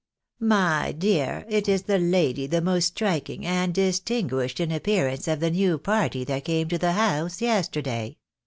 " My dear, it is the lady the most striking and distinguished in appearance of the new party that came to the house yesterday.